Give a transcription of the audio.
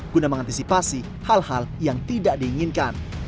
guna mengantisipasi hal hal yang tidak diinginkan